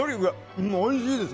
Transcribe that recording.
おいしいです。